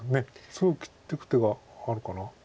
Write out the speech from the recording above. すぐ切っていく手はあるかな。